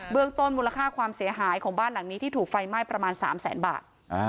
เรื่องต้นมูลค่าความเสียหายของบ้านหลังนี้ที่ถูกไฟไหม้ประมาณ๓แสนบาท